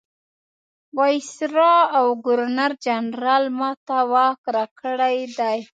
وایسرا او ګورنرجنرال ما ته واک راکړی دی.